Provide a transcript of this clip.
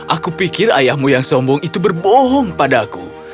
aku pikir ayahmu yang sombong itu berbohong padaku